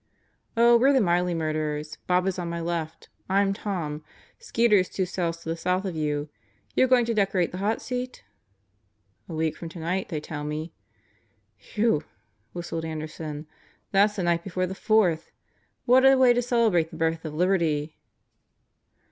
"Oh, we're the Miley murderers. Bob is on my left. I'm Tom. Skeeter is two cells to the south of you. You going to decorate the hot seat?" "A week from tonight, they tell me." "Whew!" whistled Anderson. "That's the night before the fourth. What a way to celebrate the birth of liberty!"